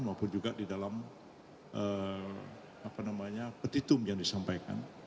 maupun juga di dalam petitum yang disampaikan